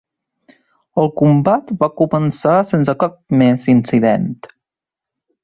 El combat va començar sense cap més incident.